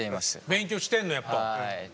勉強してんのやっぱ。